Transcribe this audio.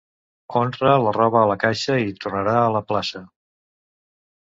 Honra la roba a la caixa i t'honrarà a la plaça.